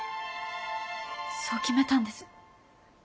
そう決めたんです。